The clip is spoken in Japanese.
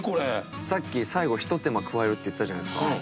さっき最後一手間加えるって言ったじゃないですか。